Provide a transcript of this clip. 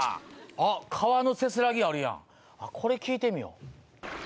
あっ川のせせらぎあるやんこれ聞いてみよう。